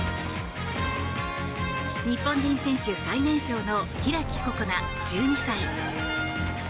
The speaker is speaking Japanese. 日本人選手最年少の開心那、１２歳。